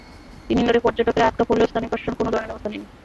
তিন দিন ধরে পর্যটকেরা আটকা পড়লেও স্থানীয় প্রশাসন কোনো ধরনের ব্যবস্থা নেয়নি।